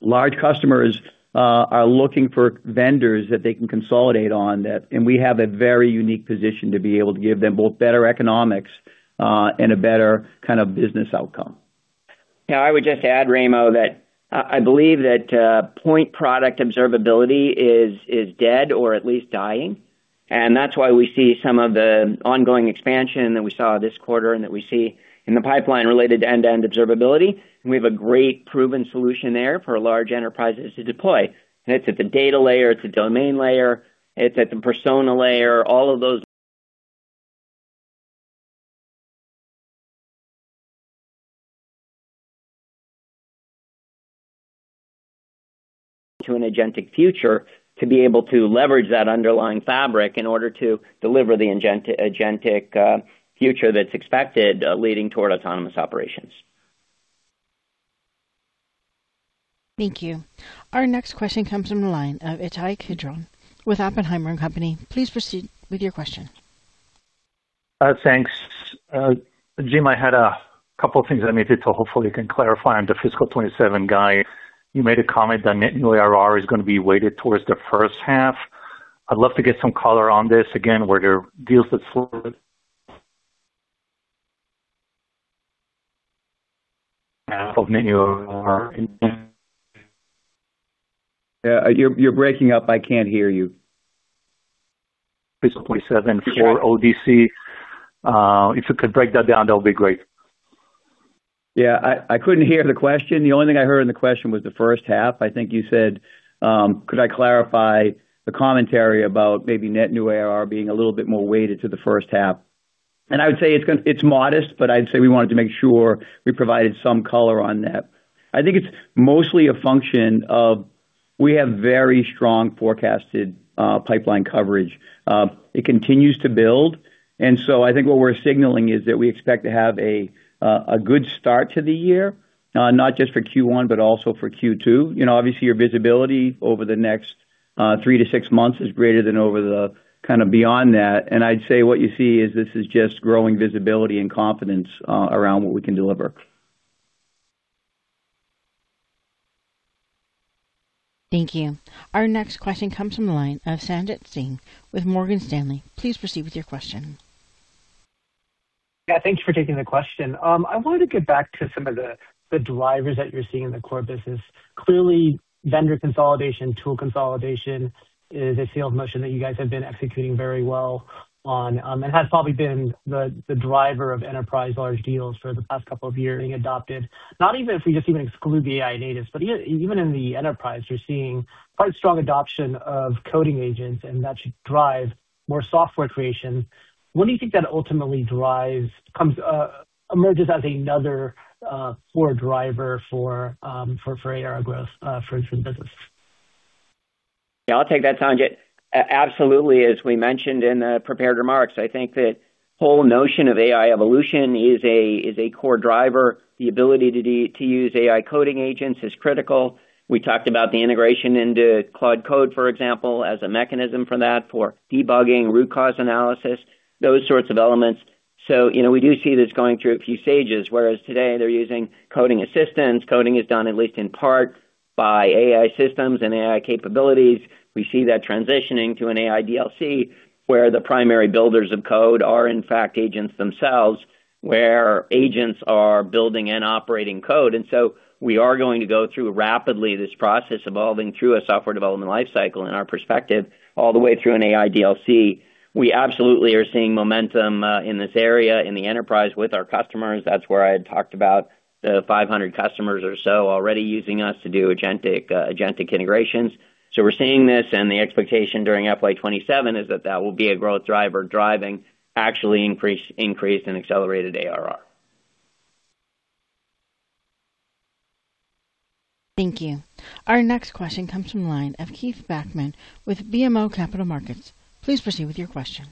large customers are looking for vendors that they can consolidate on that. We have a very unique position to be able to give them both better economics and a better kind of business outcome. Yeah, I would just add, Raimo, that I believe that point product observability is dead or at least dying. That's why we see some of the ongoing expansion that we saw this quarter and that we see in the pipeline related to end-to-end observability. We have a great proven solution there for large enterprises to deploy. It's at the data layer, it's a domain layer, it's at the persona layer. All of those To an agentic future to be able to leverage that underlying fabric in order to deliver the agentic future that's expected leading toward autonomous operations. Thank you. Our next question comes from the line of Ittai Kidron with Oppenheimer & Co. Please proceed with your question. Thanks. Jim, I had a couple of things I needed to hopefully you can clarify on the fiscal 2027 guide. You made a comment that net new ARR is gonna be weighted towards the first half. I'd love to get some color on this again, where your deals with half of net new ARR in. Yeah, you're breaking up. I can't hear you. *audio distortion* ODC. If you could break that down, that would be great. Yeah, I couldn't hear the question. The only thing I heard in the question was the first half. I think you said, could I clarify the commentary about maybe net new ARR being a little bit more weighted to the first half? I would say it's modest, but I'd say we wanted to make sure we provided some color on that. I think it's mostly a function of we have very strong forecasted pipeline coverage. It continues to build. I think what we're signaling is that we expect to have a good start to the year, not just for Q1, but also for Q2. You know, obviously, your visibility over the next three to six months is greater than over the kind of beyond that. I'd say what you see is this is just growing visibility and confidence, around what we can deliver. Thank you. Our next question comes from the line of Sanjit Singh with Morgan Stanley. Please proceed with your question. Yeah, thanks for taking the question. I wanted to get back to some of the drivers that you're seeing in the core business. Clearly, vendor consolidation, tool consolidation is a sales motion that you guys have been executing very well on, and has probably been the driver of enterprise large deals for the past couple of years being adopted. Not even if we just even exclude the AI natives, but even in the enterprise, you're seeing quite strong adoption of coding agents, and that should drive more software creation. When do you think that ultimately drives, emerges as another core driver for ARR growth for this business? Yeah, I'll take that, Sanjit. Absolutely, as we mentioned in the prepared remarks, I think the whole notion of AI evolution is a core driver. The ability to use AI coding agents is critical. We talked about the integration into Claude Code, for example, as a mechanism for that, for debugging, root cause analysis, those sorts of elements. You know, we do see this going through a few stages. Whereas today they're using coding assistance. Coding is done at least in part by AI systems and AI capabilities. We see that transitioning to an AI DLC, where the primary builders of code are, in fact, agents themselves, where agents are building and operating code. We are going to go through rapidly this process evolving through a software development life cycle, in our perspective, all the way through an AI DLC. We absolutely are seeing momentum in this area in the enterprise with our customers. That's where I had talked about the 500 customers or so already using us to do agentic integrations. We're seeing this, and the expectation during FY 2027 is that that will be a growth driver driving actually increase in accelerated ARR. Thank you. Our next question comes from the line of Keith Bachman with BMO Capital Markets. Please proceed with your question.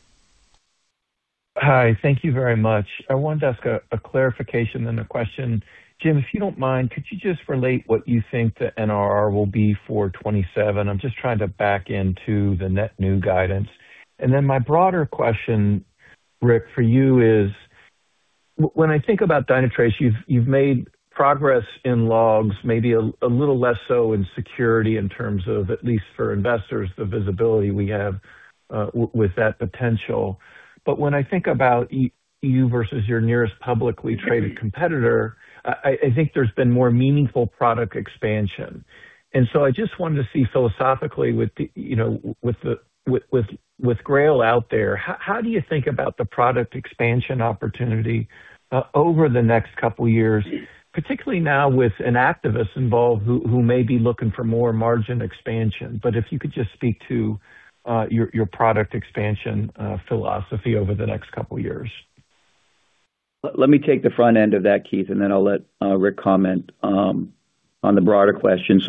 Hi. Thank you very much. I wanted to ask a clarification, then a question. Jim, if you don't mind, could you just relate what you think the NRR will be for 2027? I'm just trying to back into the net new guidance. My broader question, Rick, for you is, when I think about Dynatrace, you've made progress in logs, maybe a little less so in security in terms of, at least for investors, the visibility we have, with that potential. When I think about you versus your nearest publicly traded competitor, I think there's been more meaningful product expansion. I just wanted to see philosophically with the, you know, with the Grail out there, how do you think about the product expansion opportunity over the next couple years, particularly now with an activist involved who may be looking for more margin expansion? If you could just speak to your product expansion philosophy over the next couple years. Let me take the front end of that, Keith, and then I'll let Rick comment on the broader question.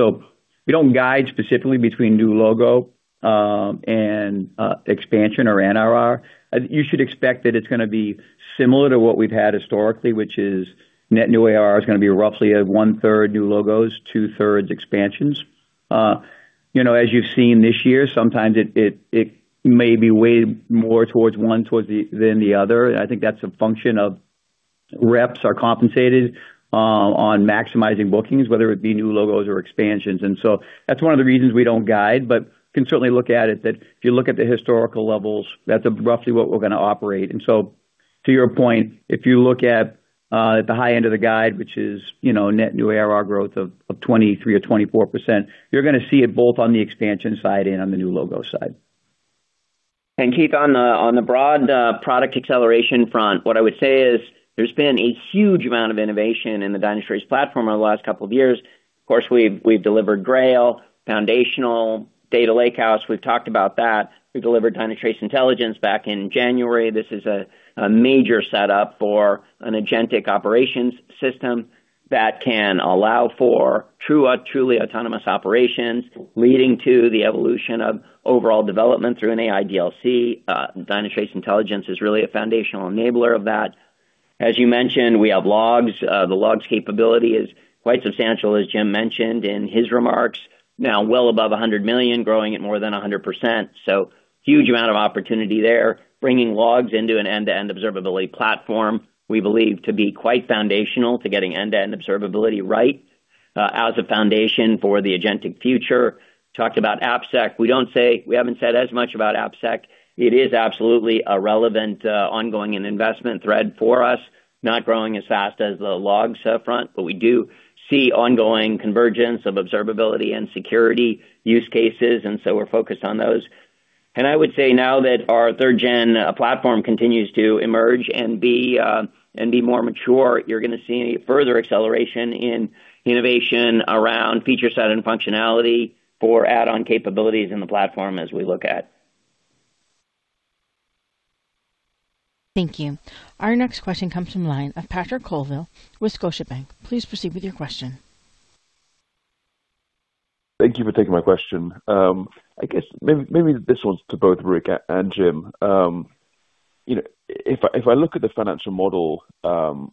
We don't guide specifically between new logo and expansion or NRR. You should expect that it's gonna be similar to what we've had historically, which is net new ARR is gonna be roughly a 1/3 new logos, 2/3 expansions. You know, as you've seen this year, sometimes it, it may be weighted more towards one than the other. I think that's a function of reps are compensated on maximizing bookings, whether it be new logos or expansions. That's one of the reasons we don't guide, but can certainly look at it, that if you look at the historical levels, that's roughly what we're gonna operate. To your point, if you look at the high end of the guide, which is, you know, net new ARR growth of 23% or 24%, you're gonna see it both on the expansion side and on the new logo side. Keith, on the, on the broad product acceleration front, what I would say is there's been a huge amount of innovation in the Dynatrace platform over the last couple of years. Of course, we've delivered Grail, foundational data lakehouse. We've talked about that. We delivered Dynatrace Intelligence back in January. This is a major setup for an agentic operations system that can allow for true, truly autonomous operations leading to the evolution of overall development through an AI DLC. Dynatrace Intelligence is really a foundational enabler of that. As you mentioned, we have logs. The logs capability is quite substantial, as Jim mentioned in his remarks. Well above $100 million, growing at more than 100%. Huge amount of opportunity there. Bringing logs into an end-to-end observability platform, we believe to be quite foundational to getting end-to-end observability right, as a foundation for the agentic future. Talked about AppSec. We haven't said as much about AppSec. It is absolutely a relevant, ongoing and investment thread for us, not growing as fast as the logs front, but we do see ongoing convergence of observability and security use cases, and so we're focused on those. I would say now that our 3rd gen platform continues to emerge and be more mature, you're going to see further acceleration in innovation around feature set and functionality for add-on capabilities in the platform as we look at. Thank you. Our next question comes from line of Patrick Colville with Scotiabank. Please proceed with your question. Thank you for taking my question. I guess maybe this one's to both Rick and Jim. You know, if I, if I look at the financial model,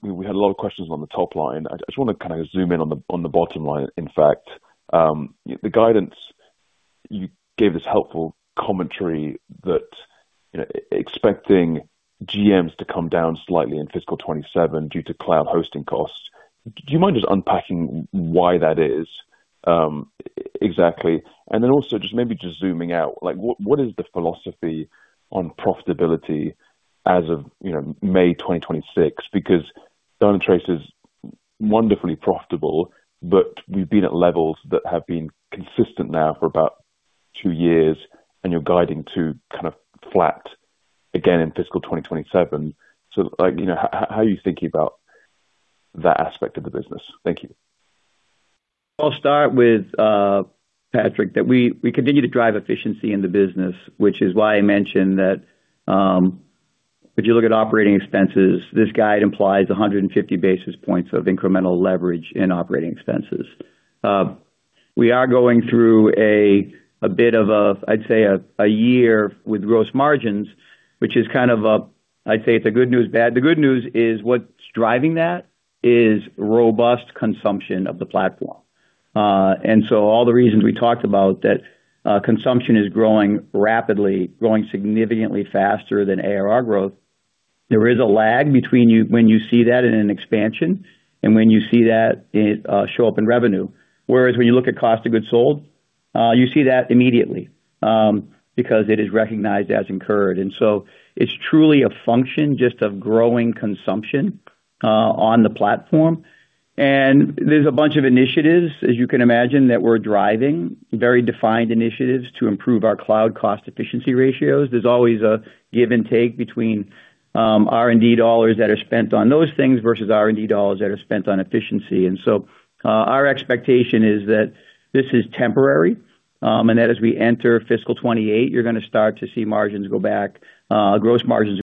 we had a lot of questions on the top line. I just wanna kinda zoom in on the, on the bottom line, in fact. The guidance you gave is helpful commentary that, you know, expecting GMs to come down slightly in fiscal 2027 due to cloud hosting costs. Do you mind just unpacking why that is, exactly? Then also just maybe just zooming out, like what is the philosophy on profitability as of, you know, May 2026? Because Dynatrace is wonderfully profitable, but we've been at levels that have been consistent now for about two years, and you're guiding to kind of flat again in fiscal 2027. Like, you know, how are you thinking about that aspect of the business? Thank you. I'll start with Patrick, that we continue to drive efficiency in the business, which is why I mentioned that, if you look at operating expenses, this guide implies 150 basis points of incremental leverage in operating expenses. We are going through a bit of a, I'd say a year with gross margins, which is kind of a I'd say it's a good news, bad. The good news is what's driving that is robust consumption of the platform. All the reasons we talked about that, consumption is growing rapidly, growing significantly faster than ARR growth. There is a lag between when you see that in an expansion and when you see that it show up in revenue. Whereas when you look at cost of goods sold, you see that immediately because it is recognized as incurred. It's truly a function just of growing consumption on the platform. There's a bunch of initiatives, as you can imagine, that we're driving, very defined initiatives to improve our cloud cost efficiency ratios. There's always a give and take between R&D dollars that are spent on those things versus R&D dollars that are spent on efficiency. Our expectation is that this is temporary, and that as we enter fiscal 2028, you're gonna start to see margins go back, gross margins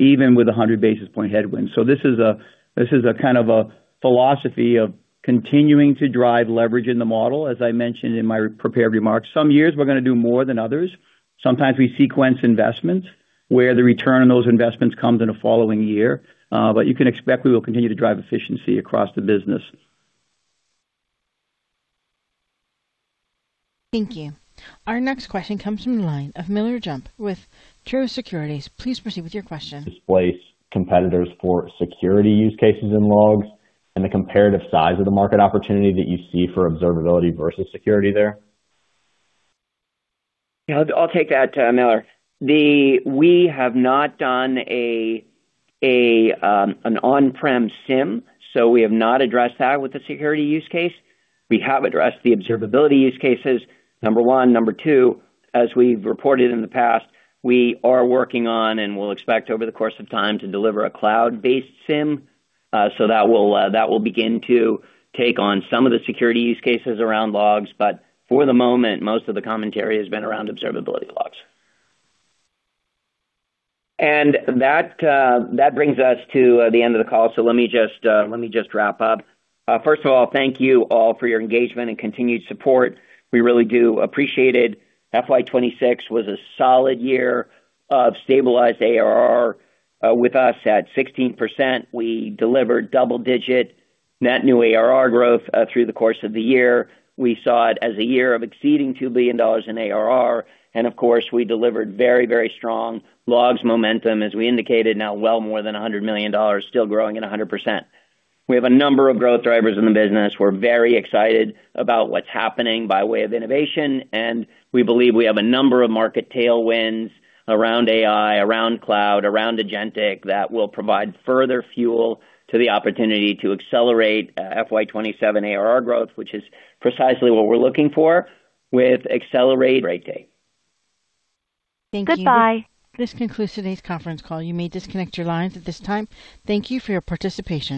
even with a 100 basis point headwind. This is a kind of a philosophy of continuing to drive leverage in the model, as I mentioned in my prepared remarks. Some years we're gonna do more than others. Sometimes we sequence investments where the return on those investments comes in a following year. You can expect we will continue to drive efficiency across the business. Thank you. Our next question comes from the line of Miller Jump with Truist Securities. Please proceed with your question. Displace competitors for security use cases in logs and the comparative size of the market opportunity that you see for observability versus security there. Yeah, I'll take that, Miller. We have not done a, an on-prem SIEM, so we have not addressed that with the security use case. We have addressed the observability use cases, number one. Number two, as we've reported in the past, we are working on and will expect over the course of time to deliver a cloud-based SIEM. That will begin to take on some of the security use cases around logs. For the moment, most of the commentary has been around observability logs. That brings us to the end of the call. Let me just let me just wrap up. First of all, thank you all for your engagement and continued support. We really do appreciate it. FY 2026 was a solid year of stabilized ARR, with us at 16%. We delivered double-digit net new ARR growth through the course of the year. We saw it as a year of exceeding $2 billion in ARR. We delivered very, very strong logs momentum, as we indicated now well more than $100 million, still growing at 100%. We have a number of growth drivers in the business. We're very excited about what's happening by way of innovation, and we believe we have a number of market tailwinds around AI, around cloud, around agentic, that will provide further fuel to the opportunity to accelerate FY 2027 ARR growth, which is precisely what we're looking for with Accelerate day. Thank you. Goodbye. This concludes today's conference call. You may disconnect your lines at this time. Thank you for your participation.